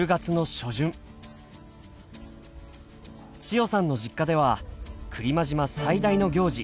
千代さんの実家では来間島最大の行事